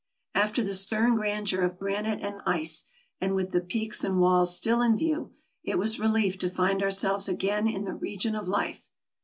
After the stern grandeur of granite and ice, and with the peaks and walls still in view, it was relief to find ourselves again in the region of life.